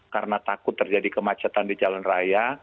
karena takut terjadi kemacetan di jalan raya